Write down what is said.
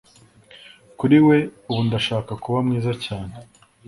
Kuri we ubu ndashaka kuba mwiza cyane